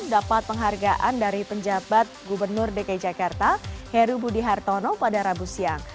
dapat penghargaan dari penjabat gubernur dki jakarta heru budi hartono pada rabu siang